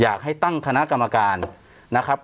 อยากให้ตั้งคณะกรรมการนะครับ